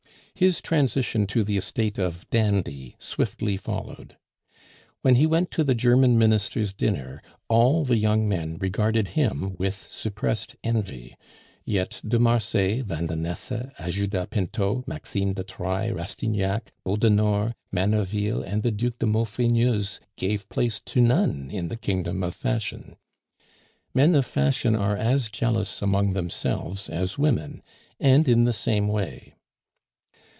His transition to the estate of dandy swiftly followed. When he went to the German Minister's dinner, all the young men regarded him with suppressed envy; yet de Marsay, Vandenesse, Ajuda Pinto, Maxime de Trailles, Rastignac, Beaudenord, Manerville, and the Duc de Maufrigneuse gave place to none in the kingdom of fashion. Men of fashion are as jealous among themselves as women, and in the same way.